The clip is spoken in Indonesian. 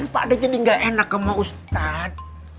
pak ade jadi nggak enak sama ustaz